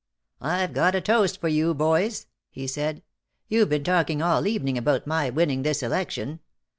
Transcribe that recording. "I've got a toast for you, boys," he said. "You've been talking all evening about my winning this election.